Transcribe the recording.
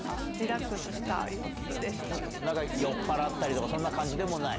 酔っぱらったりとかそんな感じでもない？